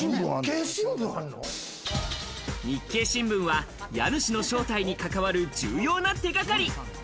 日経新聞は家主の正体に関わる重要な手掛かり。